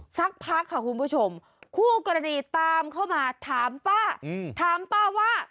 สักพักค่ะคุณผู้ชมคู่กรณีตามเข้ามาถามป้าถามป้าว่า